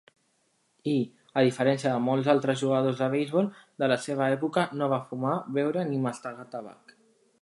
I, a diferència de molts altres jugadors de beisbol de la seva època, no va fumar, beure ni mastegar tabac.